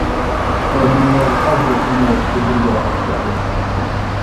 بايرىمىڭلارغا ئاز بولسىمۇ كۈلدۈرگە ئالغاچ كەلدىم.